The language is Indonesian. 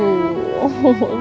tante kesini ngapain tante